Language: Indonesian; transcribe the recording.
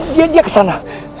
dia dia kesana